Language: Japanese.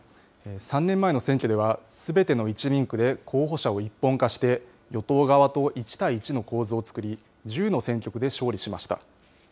３年前の選挙では、すべての１人区で候補者を一本化して、与党側と１対１の構図を作り、１０の選挙区で勝利しました。